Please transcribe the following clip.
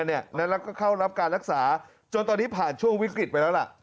แล้วก็เข้ารับการรักษาจนตอนนี้ผ่านช่วงวิกฤตไปแล้วล่ะ